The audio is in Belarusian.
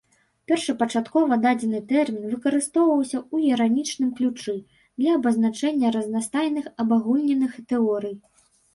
Першапачаткова дадзены тэрмін выкарыстоўваўся ў іранічным ключы для абазначэння разнастайных абагульненых тэорый.